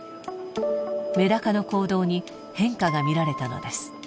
メダカの行動に変化が見られたのです。